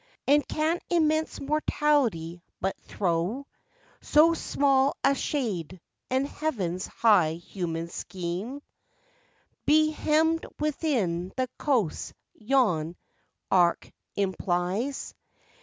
And can immense Mortality but throw So small a shade, and Heaven's high human scheme Be hemmed within the coasts yon arc implies?